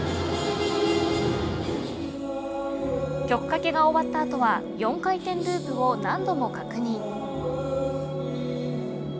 曲かけが終わった後は４回転ループを何度も確認。